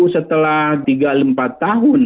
setelah tiga empat tahun